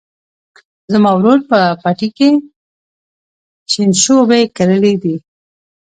زما ورور په پټي کې شینشوبي کرلي دي.